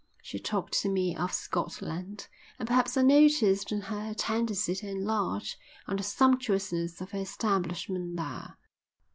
She talked to me of Scotland, and perhaps I noticed in her a tendency to enlarge on the sumptuousness of her establishment there.